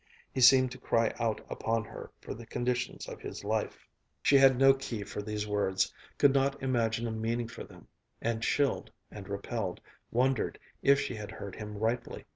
He seemed to cry out upon her for the conditions of his life. She had no key for these words, could not imagine a meaning for them, and, chilled and repelled, wondered if she had heard him rightly.